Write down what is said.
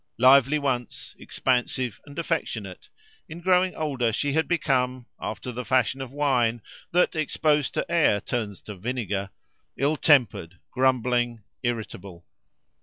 Lively once, expansive and affectionate, in growing older she had become (after the fashion of wine that, exposed to air, turns to vinegar) ill tempered, grumbling, irritable.